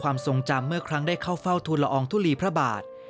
ความทรงจำเมื่อครั้งได้เข้าเฝ้าทุลอองทุลีพระบาท